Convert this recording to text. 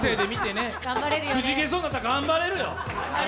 くじけそうになったら頑張れるよ。